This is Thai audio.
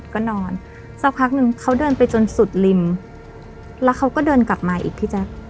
ก็นอนสักพักนึงเขาเดินไปจนสุดริมแล้วเขาก็เดินกลับมาอีกพี่แจ๊ค